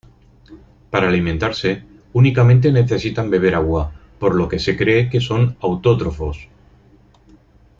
Para alimentarse, únicamente necesitan beber agua, por lo que se cree que son autótrofos.